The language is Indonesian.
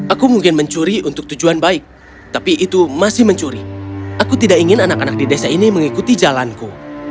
aku mungkin mencuri untuk tujuan baik tapi itu masih mencuri aku tidak ingin anak anak di desa ini mengikuti jalanku